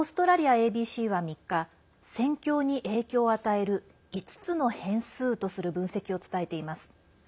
ＡＢＣは３日戦況に影響を与える５つの変数とする分析を伝えています。